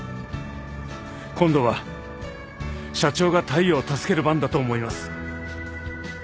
今度は社長が大陽を助ける番だと思います。